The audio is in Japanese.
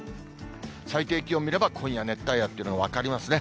最低気温見れば、今夜、熱帯夜というのが分かりますね。